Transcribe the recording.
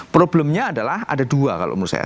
problemnya adalah ada dua kalau menurut saya